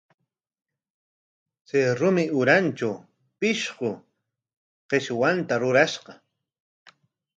Chay rumi urantraw pishqu qishwanta rurashqa.